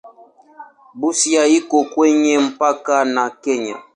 Busia iko kwenye mpaka na Kenya.